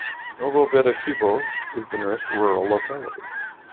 Novomereshchevo is the nearest rural locality.